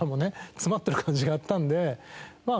詰まってる感じがあったんでまあ